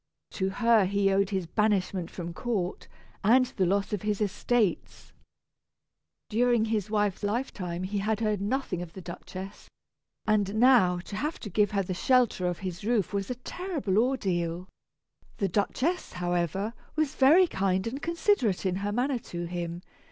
To her he owed his banishment from court, and the loss of his estates. During his wife's lifetime he had heard nothing of the Duchess, and now to have to give her the shelter of his roof was a terrible ordeal. The Duchess, however, was very kind and considerate in her manner to him.